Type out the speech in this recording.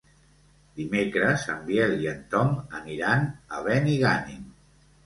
Dimecres en Biel i en Tom aniran a Benigànim.